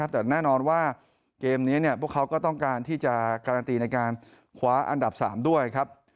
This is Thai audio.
แต่แน่นอนว่าเกมนี้พวกเขาก็ต้องการที่จะการันตีในการคว้าอันดับ๓ด้วยครับ